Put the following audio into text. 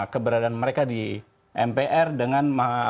keberadaan mereka di mpr dengan